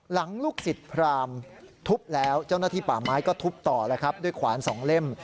ลูกศิษย์พรามทุบแล้วเจ้าหน้าที่ป่าไม้ก็ทุบต่อแล้วครับด้วยขวาน๒เล่ม